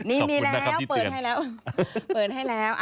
นี่มีแล้วเปิดให้แล้วเปิดให้แล้ว